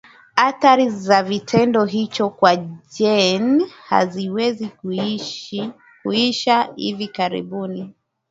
Athari za kitendo hicho kwa Jane haziwezi kuisha hivi karibuni